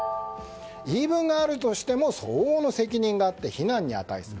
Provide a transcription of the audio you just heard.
言い分があるとしても相応の責任があって非難に値する。